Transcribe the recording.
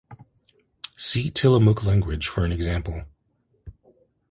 See Tillamook language for an example.